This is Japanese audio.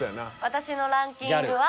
私のランキングは。